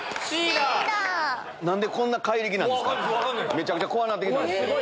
めちゃくちゃ怖なってきたんですけど。